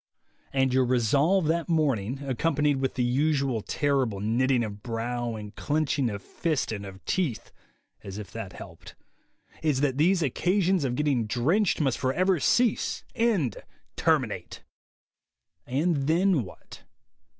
And your resolve that morning, accompanied with the usual terrible knitting of brow and clenching of fist and of teeth (as if that helped) is that these occasions of getting drenched must forever cease, end, terminate. And then what?